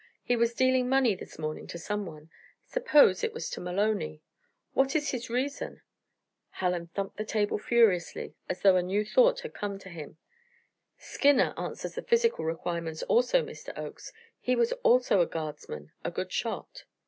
He was dealing money this morning to someone; suppose it was to Maloney what is his reason?" Hallen thumped the table furiously as though a new thought had come to him. "Skinner answers the physical requirements also, Mr. Oakes he was also a guardsman a good shot."